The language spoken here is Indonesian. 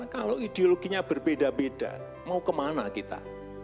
kalau ideologinya berbeda beda mau kemana kita